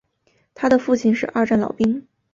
他的父亲是二战老兵。